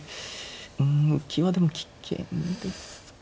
うん浮きはでも危険ですか。